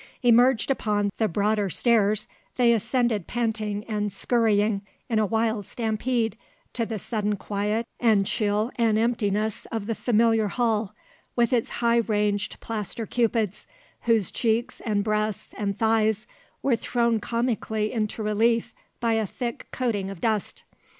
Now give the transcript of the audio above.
Emerged upon the broader stairs they ascended panting and scurrying, in a wild stampede, to the sudden quiet and chill and emptiness of the familiar hall, with its high ranged plaster cupids, whose cheeks and breasts and thighs were thrown comically into relief by a thick coating of dust.